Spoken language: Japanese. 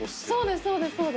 そうですそうです。